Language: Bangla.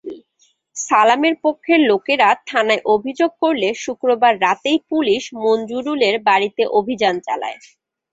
সালামের পক্ষের লোকেরা থানায় অভিযোগ করলে শুক্রবার রাতেই পুলিশ মঞ্জুরুলের বাড়িতে অভিযান চালায়।